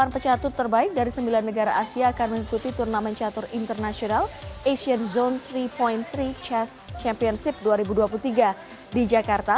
delapan pecatur terbaik dari sembilan negara asia akan mengikuti turnamen catur internasional asian zone tiga tiga chest championship dua ribu dua puluh tiga di jakarta